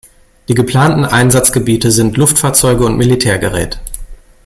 Die geplanten Einsatzgebiete sind Luftfahrzeuge und Militärgerät.